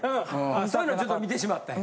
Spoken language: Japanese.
そういうのちょっと見てしまったんや？